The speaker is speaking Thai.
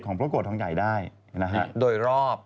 ของประกดทองใหญ่ได้นะฮะ